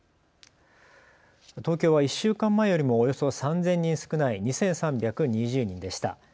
東京は１週間前よりもおよそ３０００人少ない２３２０人でした。